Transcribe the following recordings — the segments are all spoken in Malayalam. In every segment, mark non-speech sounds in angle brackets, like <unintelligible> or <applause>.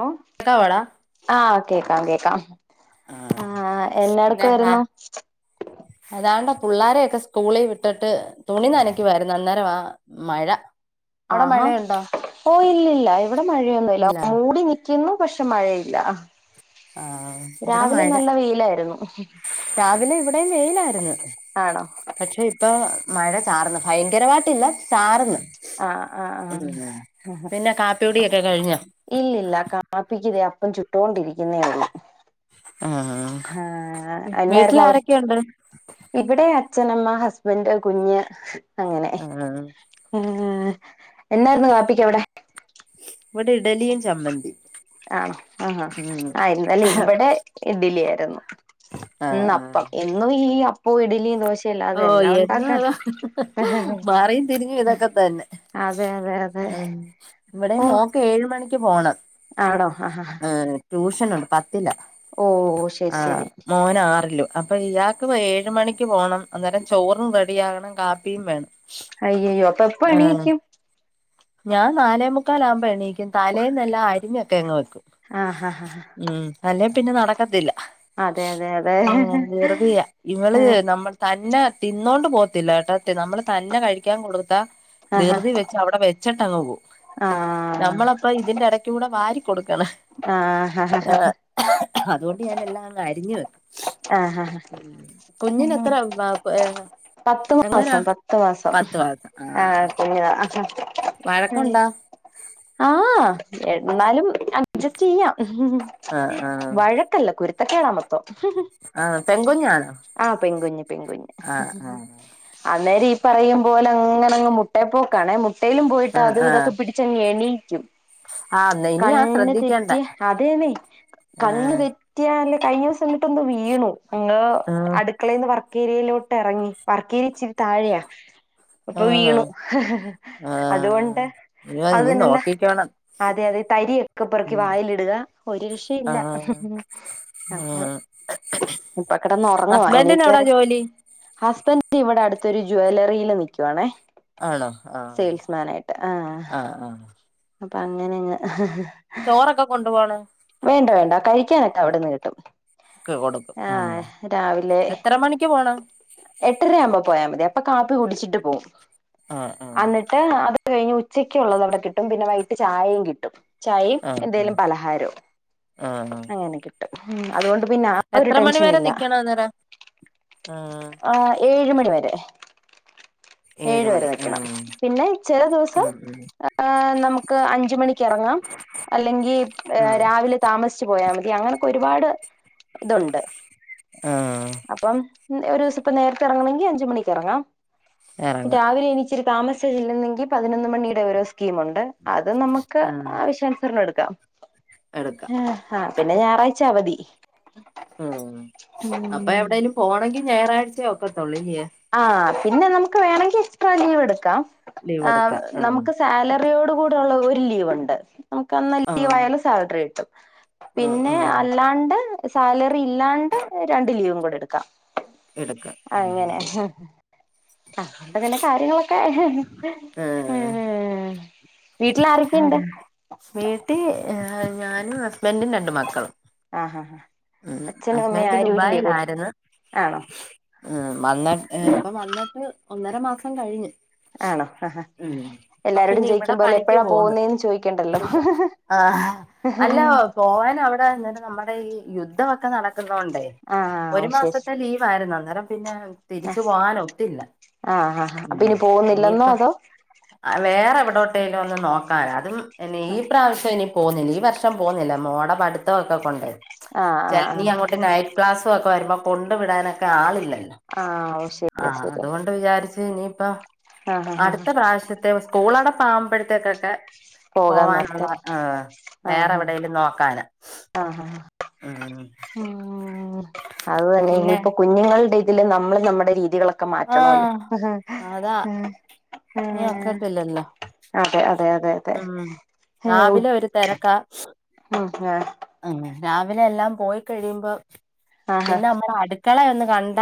ഓഹ് കേക്കാവോടാ. ആഹ് കേക്കാം കേക്കാം ആ ആഹ് എന്നാട്ക്ക് വാരുന്നു. അതാണ്ട പുള്ളാരെയൊക്കെ സ്കൂളി വിട്ടിട്ട് തുണി നനക്കുവാരുന്നു, അന്നേരവാ. മഴ അവിടെ ആഹാ മഴയുണ്ടോ ഓ ഇല്ലല്ല ഇവിടെ മഴയൊന്നുല്ല ഇല്ല മൂടി നി ക്കുന്നു പക്ഷെ മഴയില്ല. ആ ഇവിടെ രാവിലെ മഴ നല്ല വെയിലായിരുന്നു. രാവിലെ ഇവിടെയും വെയിലായിരുന്ന് ആണോ പക്ഷെ, പ്പോ മഴ ചാറ്ന്ന്, ഭയങ്കരമായിട്ടില്ല ചാറ്ന്ന്. ആഹ് ആഹ് ഉം ആഹ് പിന്നെ കാപ്പി കുടിയൊക്കെ കഴിഞ്ഞ. ഇല്ലില്ല കാപ്പിക്കിതേ അപ്പം ചുട്ടോണ്ടിരിക്കുന്നേ ഒള്ളു. ആ ഹാ.. വീട്ടിൽ എന്നായിരുന്നു അവിടെ. ആരൊക്കെയുണ്ട് ഇവിടെ അച്ഛനമ്മ ഹസ്ബന്റ് കുഞ്ഞ്. ആഹ് ഏഹ് എന്തായിരുന്നു കാപ്പിക്കവിടെ. വടെ ഇഡലിയും ചമ്മന്തി ആണോ ആഹാ ഉം ആ ഇന്നലെ ഇവടെ ഇഡ്ഡ്ലിആരുന്നു. ആ പ്പം ആ എന്നും ഈ അപ്പു ഇഡ്ലിം ദോശ് ഓഹ് എന്നുഅതാ, അതെ മാറിയും തിരിഞ്ഞു ഇതൊക്കെ തന്നെ. അതെ അതെ ഉം വടെ ഓ മോക്കേഴ് മണിക്ക് പോണം. ആണോ ഹ ഹ ഹാ. എഹ് ട്യൂഷനുണ്ട് പത്തില, ശരി ആഹ ശരി മോനാറിലും. അപ്പൊ ഇയാക്ക് പ്പ ഏഴ് മണിക്ക് പോണം, അന്നേരം ചോറും റെഡിയാകണം കാപ്പിയും വേണം. അയ്യയ്യോ അപ്പ എപ്പ ആഹ് എണീക്കും ഞാൻ നാലേ മുക്കാലാകുമ്പൊ എണീക്കും തലേന്നെല്ലാം അരിഞ്ഞൊക്കെ അങ്ങ് വെക്കും ആ ഹാ ഹാ ഉം അല്ലേ പിന്നെ നടക്കത്തില്ല അതെ അതെ അതെ ആഹ് ദിറ്തിയാ ഇവള് നമ്മ തന്നെ തിന്നോണ്ട് പോകത്തില്ല കേട്ടൊ നമ്മള് തന്നെ കഴിക്കാൻ കൊടുത്താ ദൃതി വെ ച്ച അവിടെ വെച്ചിട്ടങ്ങ് പോകും ആഹ് ഇപ്പം ഇതിന്റെടക്കൂടെ വാരി കൊടുക്കണ് ആഹ് ഹ ഹ ഹ അതുകൊണ്ട് ഞാനെല്ലാം അങ്ങ് അരിഞ്ഞ് വെക്കും ആഹ് ഹ ഹ ഉം കുഞ്ഞിനെത്ര വാ ഏഹ് ആഹ് പത്ത്മാസം പത്ത്മാസം ആഹ് കുഞ്ഞാ ഉം വഴക്കുണ്ടോ ആഹ് എന്നാലും അഡ്ജസ്റ്റെയ്യാം ആഹ് ആഹ് വഴക്കല്ല കുരുത്തക്കേടാ മൊത്തോം ആഹ് പെൺകുഞ്ഞാണോ ആഹ് പെൺകുഞ്ഞ് പെൺകുഞ്ഞ് ആഹ് ആഹ് അന്നേരം ഈ പറയും പോലങ്ങനങ്ങ് മുട്ടേ പോക്കാണെ മുട്ടേലും പോയിട്ട് ആഹ് അത് ആഹ് ഇവിടക്കെ പിടി ച്ചങ്ങെണീക്കും ആഹ് ന്ന ഇനിയാ കണ്ണ് ശ്രദ്ധിക്കേണ്ടേ തെറ്റിയാ അതേന്നെ കണ്ണ് ആഹ് തെ ഞാനില്ലേ കഴിഞ്ഞ ദിവസം എന്നിട്ടൊന്ന് വീണു എങ്ങ് ആഹ് അടുക്കളേന്ന് വർക്കേര്യലോട്ടെറങ്ങി വർക്കേര്യച്ചിരി താഴെയാ അപ്പൊ ആണോ വീണു ആഹ് അതുകൊണ്ട് അയ്യോ അത് ഇനി തന്നല്ല നോക്കിക്കോണം അതെ അതെ ഈ തരിയക്കെ പെറുക്കി ഉം വായിലിടുക ഒരു രക്ഷ ഇല്ല ആഹ് ആഹ് അഹ് ഇപ്പക്കെടന്നൊറങ്ങുവാ ഹസ്ബൻഡിന് എവിടാ എണീക്കാറായി ജോലി ഹസ്ബന്റിവിടെ അടുത്തൊരു ജ്വവല്ലറിയില് നിക്കുവാണേ ആണോ ആഹ് സെയിൽസ്മാനായിട്ട് ആഹ് ആഹ് അപ്പങ്ങനങ്ങ് ചോറൊക്കെ കൊണ്ടു പോണോ വേണ്ട വേണ്ട കഴിക്കാനക്കെ അവിട്ന്ന് കിട്ടും ക്ക് കൊടുക്കും ആഹ് രാവിലെ എത്ര മണിക്ക് പോണം എട്ടരയാമ്പോ പോയാമതി അപ്പ കാപ്പി കുടിച്ചിട്ട് പോവും ആഹ് ആഹ് അന്നി ട്ട് അത് കഴിഞ്ഞ് ഉച്ചക്കൊള്ളതവിടെ കിട്ടും പിന്നെ വൈട്ട് ചായേം കിട്ടും ചായേം ആഹ് എന്തേലും ആഹ് പലഹാരോം ആഹ് ആഹ് അതുകൊണ്ട് പിന്നെ ആ ഒരു എത്ര മണി ടെൻഷൻ വരെ ഇല്ല നിക്കണം അന്നേരം ആഹ് ആഹ് ഏഴ് മണിവരെ ഏഴ് വരെ മണി നിക്കണം ആഹ് പിന്നെ ചെല ദിവസം ആഹ് ഏഹ് നമുക്ക് അഞ്ചുമണി ക്കെറങ്ങാം അല്ലെങ്കി ഏഹ് ആഹ് രാവിലെ താമസിച്ച് പോയാമതി അങ്ങനൊക്കൊരുപാട് ഇതുണ്ട് ആഹ് അപ്പം ഉം ഒരൂസംപ്പൊ നേരത്തെ എറങ്ങണെങ്കി അഞ്ചുമണിക്കെറങ്ങാം എറങ്ങാം രാവിലെ ഇനിച്ചിരി താമസിച്ചാ ചെല്ലുന്നെങ്കി പതിനൊന്ന് മണിടെ ഓരോ സ്കീമൊണ്ട് അത് നമുക്ക് ആവശ്യാനുസരണം എടുക്കാം എട്ക്ക് ആഹ് ഹാ പിന്നെ ഞാറാഴ്ച അവധി. ഉം അപ്പൊ എവ്ടേലും പോണെങ്കി ഞായറാഴ്ച്ചെ ഒക്കത്തൊള്ളു ല്ല്യേ. ആഹ് പിന്നെ നമക്ക് വേണെങ്കി എക്സ്ട്രാ ലീവെടുക്കാം ലീവ് ആഹ് എടുക്കാം നമുക്ക് സ് സാലറിയോട് കൂടെള്ള ഒരു ലീവ്ണ്ട് നമുക്കന്ന് ആഹ് ലീവായാലും സാലറി കിട്ടും. ആഹ് പിന്നെ ആഹ് അല്ലാണ്ട്. സാലറി ഇല്ലാണ്ട് രണ്ട് ലീവും കൂട എടുക്കാം എടുക്കാം അങ്ങനെ. അതൊണ്ടങ്ങനെ കാര്യങ്ങളൊക്കെ വീട്ടിൽ ആരൊക്കെയുണ്ട് താരാ വീട്ടീ ഞാനും ഹസ്ബന്റും രണ്ട് മക്കളും. ആഹ്, ഹാ, ഹാ. ഉം അസ്ബന്റ് ദുബായിലായിര്ന്ന്. ആണോ ഉം വന്ന് ഇപ്പൊ വന്നിട്ട് ഒന്നര മാസം കഴിഞ്ഞ്. ആണോ ആഹ. ഉം ഇപ്പൊ എല്ലാരോടും പിന്നെ ഇവിടെ ചോയിക്കുമ്പോലെ പണിക്ക് എപ്പഴാ പോന്ന് പോകുന്നേന്ന് ചോയ്ക്കണ്ടലൊ. പോവാന അവ്ടെ അന്നേരം നമ്മടെ ഈ യുദ്ധ ഒക്ക നട ക്ക്ന്നോണ്ടേ ആഹ് ഓ ഒരു ശരി മാസത്തെ ലീവായിരുന്നു അന്നേരം. പിന്നെ തിരിച്ചു പോവാനൊത്തില്ല ആഹ് ഹാ ഹാ അപ്പൊ ഉം ഇനി പോകുന്നില്ലെന്നോ ഇനിയിപ്പൊ. അതോ വേറെ എവിടോട്ടേലും ഒന്ന് നോക്കാനാ അതും എനി ഈ പ്രാവശ്യം ഇനി പോവുന്നില്ല ഈ വർഷം പോവുന്നില്ല മോടെ പടുത്തം ഒക്ക കൊണ്ടേ ആഹ് ചെ ആഹ് നി ആഹ് അങ്ങോട്ട് നൈ ക്ലാസ്സു ഒക്കെ വരുമ്പൊ കൊണ്ടു വിടാനൊക്കെ ആളില്ലല്ലൊ. ആഹ്. ശരി ആഹ് ശരി അതോണ്ട് വിചാരിച്ച് ഇനിയിപ്പ ആഹ് ഹാ ഹാ അടുത്ത പ്രാവശ്യ ത്തെ സ്കൂളടപ്പാവുമ്പഴ്ത്തേകൊക്കെ പോകാന്ന് പോവാന്ള്ള ഓർത്തല്ലേ ആഹ് വേറെ ഹാ എവ്ടേലും നോക്കാന്. ആഹ്, ആഹ്. ആഹ്. ഉം അത് തന്നെ പിന്നെ ഇനിയിപ്പൊ കുഞ്ഞുങ്ങൾടെ ഇതില് നമ്മള് നമ്മൾടെ രീതികള ക്കെ മാറ്റണോല്ലൊ. ആഹ് അതാ ഏഹ് ഇനി ഒക്കത്തില്ലല്ലോ അതെ, അതെ, അതെ, അതെ. ഉം രാവിലെ ഒര് തെരക്കാ. ഉം <unintelligible> ആഹ് രാവിലെ എല്ലാം പോയി കഴിയുമ്പൊ ആഹ് പിന്നെ നമ്മള അടുക്കള ഒന്ന് കണ്ട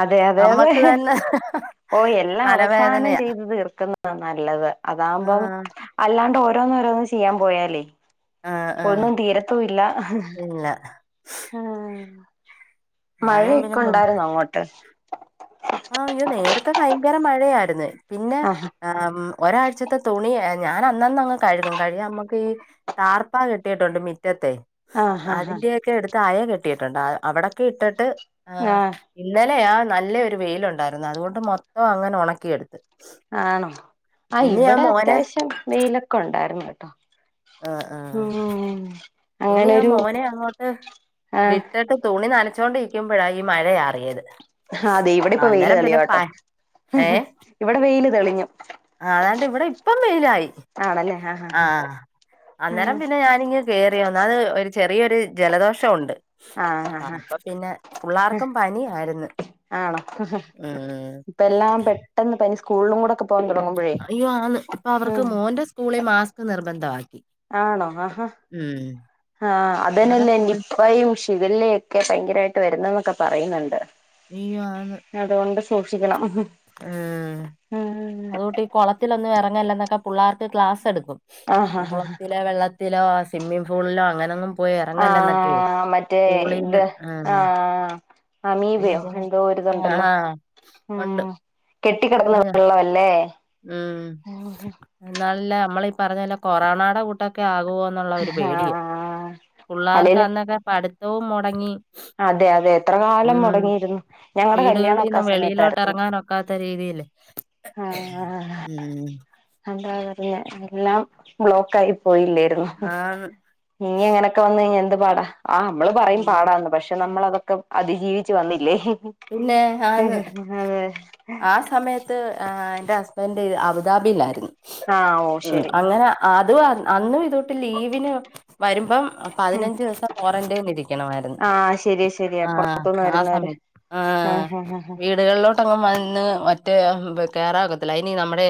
അതെ അതെ അതെ ആഹ് ഓഹ് എല്ലാം അവസാനം ചെയ്ത് തീർക്ക്ന്നത നല്ലത് അതാവുമ്പം ആഹ് അല്ലാണ്ട് ഓരോന്നോരോന്ന് ചിയ്യാൻ പോയാലെ ആഹ് ആഹ് ഒന്നും തീരത്തുവില്ല ആഹ് ഇല്ല മഴ ഞാനും ഒക്കെ ഒണ്ടാര്ന്നൊ അങ്ങോട്ട് ആഹ് അയ്യൊ നേരത്തെ ഭയങ്കര മഴയായിരുന്നു പിന്നെ ആഹ് ഒരാഴ്ചത്ത തുണി ഞാന് അന്നന്നങ്ങ് കഴുകും കഴിഞ്ഞ നമ്മക്കീ ട്ടാർപ്പ കെട്ടിയിട്ടുണ്ട് മിറ്റത്തെ ആഹ് ആഹ് അതിന്റെയൊക്കെ അടുത്ത് അയ കെട്ടിയിട്ടുണ്ട് അവിടൊക്കെ ഇട്ടിട്ട് ആഹ് ഇന്നലെയാ നല്ലൊരു വെയിലുണ്ടായിരുന്നു അതുകൊണ്ട് മൊത്തം അങ്ങനെ ഒണക്കിയെടുത്ത് ആണോ ആഹ് ഇവ്ടെ അത്യാവശ്യം വെയിലൊക്ക ഒണ്ടായിരുന്നു കെട്ടോ ആഹ് ആഹ് ഇന്ന് ഞാൻ അങ്ങനൊരു മോനെ അങ്ങോട്ട് ആഹ് വിട്ടിട്ട് തുണി നനച്ചോണ്ടിരിക്കുമ്പഴ ഈ മഴ ചാറിയത് ആഹ് അതെ ഇവെടെ ഇപ്പൊ വെയില് തെളിയുവാട്ടൊ ഇവടെ വെയില് തെളിഞ്ഞു ആഹ് അതാണ്ട് ഇവെടെ ഇപ്പം വെയിലായി ആഹ് അന്നേരം ആഹ് പിന്നെ ഞാനിങ്ങ് കേറിയൊന്ന് അത് ഒരു ചെറിയൊരു ജലദോഷം ഒണ്ട് ആഹ് അപ്പൊ പിന്നെ ആഹ് പുള്ളാർക്കും പനി ആയിരുന്നു ആണോ ഉം ഇപ്പ എല്ലാം പെട്ടെന്ന് പനി സ്കൂളിലും കൂടെക്കെ പോകാൻ തുടങ്ങുമ്പോഴേ അയ്യോ ആന്ന് ഇപ്പൊ അവർക്ക് മോന്റെ സ്കൂളിൽ മാസ്ക് നിർബന്ധായി ആണോ ആഹാ ആഹ് അവരെ അതെന്നെല്ലേ സ്കൂളിൽ ഇനിയിപ്പൊ നിപയും ശിവല്ലയും ഒക്കെ ഭയങ്കരമായിട്ട് വെരുന്നു എന്നൊക്കെ പറയുന്നുണ്ട് അയ്യോ ആന്ന് അതുകൊണ്ട് സൂക്ഷിക്കണം ഉം ആഹ് അതുകൂട്ടി കാെളത്തിലൊന്നും എറങ്ങല്ലെ എന്നൊക്കെ പുള്ളേർക്ക് ക്ലാസ് എട്ക്കും ആഹ് ആഹ് കുളത്തിലോ വെള്ളത്തിലോ സ്വിമ്മിംഗ് ഫൂളിലോ അങ്ങനെ ഒന്നും ആഹ് മറ്റേ ഇത് ആഹ് അമീബയോ ഭയങ്കര എന്തോ ഒര്ഇത് ആഹ് ഇണ്ടല്ലോ ആഹ് ഉം ഉണ്ട് കെട്ടി കെടക്കുന്ന വെള്ളവല്ലേ ഉം ആഹ് എന്നാലെല്ലാ നമ്മള് ഈ പറഞ്ഞ എല്ലാം കൊറോണാടെ കൂട്ടൊക്കെ ആകോ നുള്ള ഒരു പേടിയായ് പുള്ളേർക്ക് അല്ലേലും അന്നൊക്കെ പഠിത്തവും മൊടങ്ങി അതെ അതെ എത്ര കാലം മൊടങ്ങി ഇരുന്നു ഞങ്ങടെ കല്യാണം ഒക്കെ വീടുകളീന്ന് ആ സമയത്തായിരുന്നു വെളിയിലോട്ട് എറങ്ങാനൊക്കാത്ത രീതിയില് ആഹ് ഉം എന്താ പറയാ എല്ലാം ബ്ലോക്ക് ആയി പോയില്ലേ ഇട്ട്ക്കുണു ആന്ന്. ഇഞ്ഞ് ഇങ്ങനെക്കെ വന്ന് കഴിഞ്ഞാ എന്ത് പാടാ ആഹ് ഇമ്മള് പറയും മ്മ്. പാടാന്ന് പക്ഷെ നമ്മളതൊ ക്കം അതിജീവിച്ചു വന്നില്ലേ പിന്നെ ആന്ന്. അതെ ആ സമയത്ത് ഹ് എന്റെ ഹസ്ബെന്റ് അബുദാബിയിലായിരുന്നു ആഹ് ഓ ശരി അങ്ങനാ ആഹ് അത് വന്ന് അന്നും ഇതൊട്ട് ലീവിന് വരുമ്പം ഉം പതിനഞ്ച് ദിവസം ക്വാറന്റൈൻ ഇരിക്കണമായിരുന്നു ആഹ് ശരിയാ ശരിയാ ആഹ് പുറത്തുന്ന് ആ വരുന്നവര് സമയത്ത് ആഹ് വീടുകളിലോട്ടങ്ങും വന്ന് മറ്റേ ഹ്ബ് കേറാനൊക്കത്തില്ല ഇനി നമ്മടെ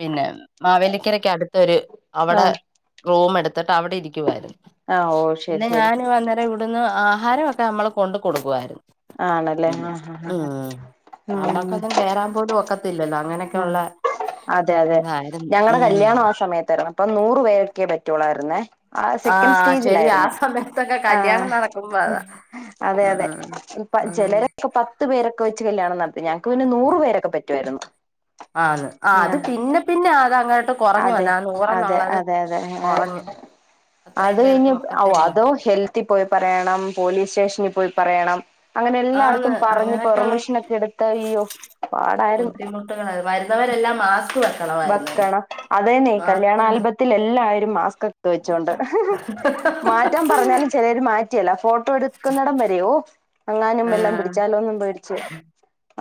പിന്നെ മാവേലിക്കരക്ക് അട്ത്തൊര് അവടെ ആഹ് റൂം എട്ത്ത്ട്ട് അവടെ ഇരിക്കുവായിരുന്നു ആഹ് ഓ ശരി പിന്നെ ശരി ഞാന് അന്നേരം ഇ വിടുന്ന് ആഹാരവൊക്കെ അമ്മള് കൊണ്ട് കൊടുക്കുവായിരുന്നു ആണല്ലേ ഉം ആഹ് ആഹ് ആഹ് ഉം ആഹ് നമ്മക്കൊന്നും <unintelligible> കേറാൻ പോലും ഒക്കത്തില്ലല്ലോ അങ്ങനെ ആഹ് അതെ അതെ ഞങ്ങടെ ഉം കല്യാണും ആ സമയത്തായിരുന്നു അപ്പം നൂറു പേർക്കെ പറ്റുള്ളായിരുന്നേ ആഹ് സെക്കൻഡ്സ് ശരി ആ സ്റ്റേജിലായിരുന്നു സമയത്തൊക്കെ കല്യാണം ആഹ് നടക്കുമ്പോ അതാ അതെ അതെ ഉം പ ഉം ചെലരൊക്കെ പത്ത് പേരൊക്കെ വെച്ച് കല്യാണം നടത്തി ഞങ്ങക്ക് പിന്നെ നൂറ് പേരൊക്കെ പറ്റു വായിരുന്നു ആന്ന് ആഹ് അത് പിന്നെ പിന്നെ അതങ്ങ ട്ട് കൊറഞ്ഞ് അതെ വന്ന് ആ അതെ നൂറെന്നുള്ളത് അതെ അതെ കൊറഞ്ഞ് അത് കയിഞ്ഞ് ഔ അതോ ഹെൽത്തിപ്പോയി പറയണം പോലീസ് സ്റ്റേഷനിൽ പോയി പറയണം അങ്ങനെ ആന്ന് എല്ലാട്ത്തും പറഞ്ഞ് അങ്ങനെയൊക്കെയുള്ള പെർമിഷ്നൊക്കെ ഇട്ത്ത് അയ്യാെ പാടായിരുന്നു ഇട്ട്ക്ക്ണത് വരുന്നവരെല്ലാം മാസ്ക് വെ വെക്കണം അതെന്നേയ് കല്യാണ ആൽബത് ത്തിലെല്ലാരും മാസ്ക്കെട്ത്ത് വെച്ചോണ്ട് മാറ്റാൻ പറഞ്ഞാലും ചെലോര് മാ റ്റിയെല്ല ഫോട്ടോ എട്ക്ക്ന്നെടം വരെയും ഓ അങ്ങാനുമ്പല്ലോം ആഹ് പിടിച്ചാലോന്നും പേടിച്ച്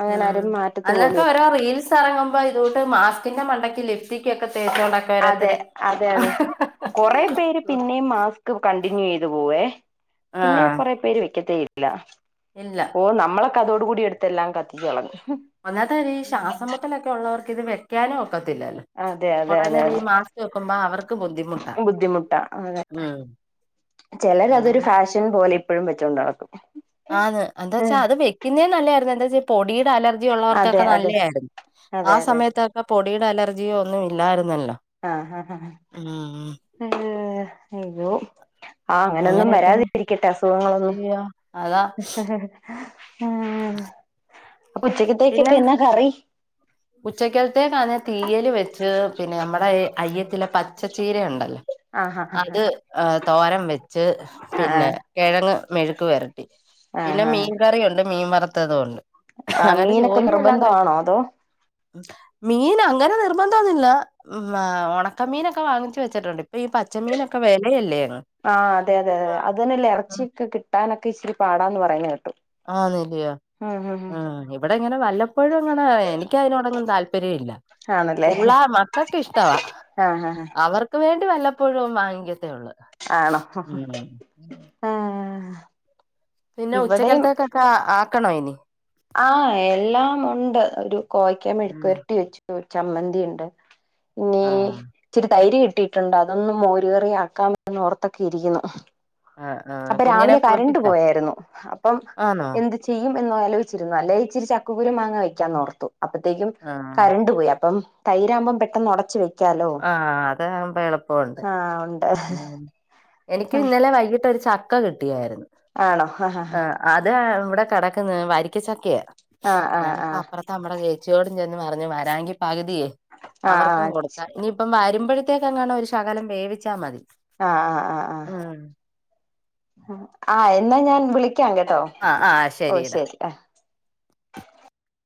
അങ്ങനെ ഉം ആരും മാറ്റത്ത് അതിനൊക്കെ പോലുവ ഓരോ റീൽസ് സറങ്ങുമ്പ ഇത് കൂട്ട് മാസ്കിന്റെ മണ്ടക്ക് ലിഫ്റ്റിക്കൊക്കെ തേച്ചോണ്ടാ അതെ അതെ അതെ കൊറേ പേര് പിന്നേം മാസ്ക് കണ്ടിന്യൂയ്തു പോവേ പിന്നെ ആഹ് കൊറെ പേര് വെക്കത്തേയില്ല. ഇല്ല. ഓഹ നമ്മളൊക്ക അതോട് കൂടി എടുത്തെല്ലാം കത്തിച്ച് കളഞ്ഞു. ഒന്നാത്തെ കാര്യം ഈ ശ്വാസമ്മുട്ടലോ ഒക്കെ ഒള്ളവർക്കിത് വെക്കാനും ഒക്കത്തില്ലല്ലോ. അതെ അതെ കൊറേ അതെ അതെ നേേരം ഈ മാസ്ക്ക് വെക്കുമ്പ അവർക്ക് ബുദ്ധിമുട്ടാ ഉം. ചെലര് അതൊരു അങ്ങനെ ഫാഷൻ പോലെ ഇപ്പഴും വെച്ചോണ്ട് നടക്കും. ആന്ന് എന്താച്ചാ അത് വെക്കുന്നേ നല്ലയായിരുന്നു എന്താച്ചാ ഈ പൊടിയുടെ അലർജി അതെ ഉള്ളവർക്കൊക്കെ അതെ നല്ലയായിയിരുന്നു. ആ അതെ അതെ സമയത്തൊക്കെ പൊടിയുടെ അലർജിയോ ഒന്നും ഇല്ലായിരുന്നല്ലോ. ആഹ് ആഹ് ഹ മ്മ്. ഹ എന്തോ ആഹ് അങ്ങനൊന്നും അങ്ങനെ എന്തുമ്മേ വരാതിരിക്കട്ടെ അസുഖങ്ങളൊന്നും. ചെയ്യാ? അതാ. ഉം അപ്പ ഉച്ചയ്ക്കത്തേക്ക്‌ ഒക്കെ എന്നാ കറി? ഉച്ചക്കേൽത്തേക്കാന്നെ തീയല് വെച്ച്. പിന്നെ നമ്മടെ അയ്യത്തിലെ പച്ചച്ചീരയൊണ്ടല്ലോ. ആഹ് ആഹ് ആഹ് അത് തോരൻ വെച്ച് പിന്നെ ആഹ് കെഴങ്ങ് മെഴുക്ക് വരട്ടി പിന്നെ ആഹ് ആഹ് മീൻകറിയുണ്ട് മീൻ വറുത്തതും ഉണ്ട്. അങ്ങനെ ജോലിയെല്ലാം കഴി ആതോ മീൻ അങ്ങനെ നിർബന്ധൊന്നില്ല. മ ഉണക്കമീനൊക്കെ വാങ്ങിച്ച് വെച്ചിട്ടുണ്ട് ഇപ്പൊ ഈ പച്ചമീനൊക്കെ വെലയല്ലേന്ന്. ആഹ് അതെ അതെ അതെ അതന്നെല്ലേ എറച്ചിയൊക്കെ കിട്ടാനൊക്കെ ഇച്ചിരി പാടാന്ന് പറയുന്നെ കേട്ടു. ആന്നില്ലിയോ. ഉം ഉം ഉം ആഹ് ഇവടെ ഇങ്ങനെ വല്ലപ്പോഴും ഇങ്ങനെ എനിക്ക് അതിനോടങ്ങും താല്പര്യം ഇല്ല. ആണല്ലേ പുള്ളാ മക്കക്ക്‌ ഇഷ്ടവാ. ആഹ് ഹ ഹ. ക്ക് വേണ്ടി വല്ലപ്പോഴും വാങ്ങിക്കത്തേ ഒള്ള്. ആണോ? പിന്നെ ഇവിടെയും ഉച്ചക്കലത്തേക്കൊക്കെ ആക്കണം ഇനി. ആഹ് എല്ലാമൊണ്ട് ഒരു കോയക്ക മെഴുക്കു ആഹ് വരട്ടി വെച്ചു. ചമ്മന്തി ഉണ്ട് ഇനീ ആഹ് ഇച്ചിരി തൈര് കിട്ടിയിട്ടുണ്ട്. അതൊന്ന് മോരുകറി ആക്കാം എന്ന് ഓർത്തൊക്കെ ഇരിക്ക്‌ന്നു. ആഹ് ആഹ് അപ്പൊ കുഞ്ഞിനെ രാവിലെ കരണ്ട് കുളിപ്പിച്ചോ? പോയാരുന്നു അപ്പം ആന്നോ? എന്ത് ചെയ്യും എന്നാലോയിച്ചിരുന്നു അല്ലേ ഇച്ചിരി ചക്കക്കുരൂം മാങ്ങ വെയ്ക്കാന്നോർത്തു. അപ്പത്തേക്കും ആഹ് കരണ്ട് പോയി അപ്പം തൈര് ആമ്പം പെട്ടെന്ന് ഉടച്ച് വെ ആഹ് അതാകുമ്പ എളുപ്പവുണ്ട്. ആ ഉണ്ട് ഉം എനിക്ക് ഇന്നലെ വൈകിട്ടൊരു ച ക്ക കിട്ടിയാരുന്നു. ആണോ ഹ ഹ ഹാ അതെ ഇവിടെ കെടക്കുന്ന് വരിക്കച്ചക്കയ ആ ആ ആ ഞാനിപ്പോ അപ്പറ ത്തമ്മടെ ചേച്ചിയോടും ചെന്ന് പറഞ്ഞ് വരാം എങ്കി പകുതിയേ ആ ആ അവർക്കും കൊടു ഇനിയിപ്പം വരുമ്പോഴത്തേക്ക്‌ എങ്ങാണോ ഒരു ശകലം വേവിച്ച മതി. ആഹ് ആഹ് ആഹ് ഉം ആഹ് ആഹ് എന്നാ ഞാൻ വിളിക്കാം കേട്ടോ. ആഹ് ആഹ് ശരി ഡാ. ആഹ്